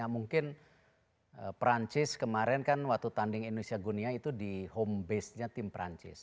mungkin perancis kemarin kan waktu tanding indonesia gunia itu di home base nya tim perancis